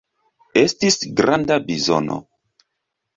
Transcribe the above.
Estis granda bizono.